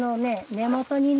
根元にね